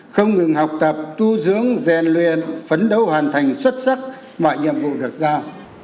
không ngừng học tập tu dưỡng rèn luyện phấn đấu hoàn thành xuất sắc mọi nhiệm vụ được giao